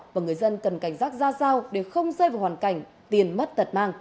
và người dân cần cảnh giác ra sao để không rơi vào hoàn cảnh tiền mất tật mang